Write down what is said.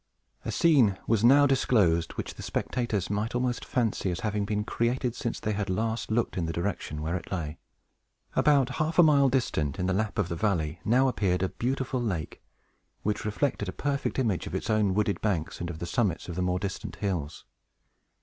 A scene was now disclosed which the spectators might almost fancy as having been created since they had last looked in the direction where it lay. About half a mile distant, in the lap of the valley, now appeared a beautiful lake, which reflected a perfect image of its own wooded banks, and of the summits of the more distant hills.